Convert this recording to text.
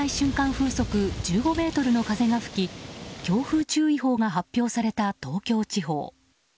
風速１５メートルの風が吹き強風注意報が発表された東京地方。